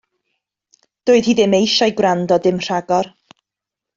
Doedd hi ddim eisiau gwrando dim rhagor.